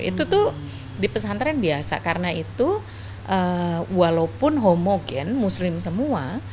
itu tuh di pesantren biasa karena itu walaupun homogen muslim semua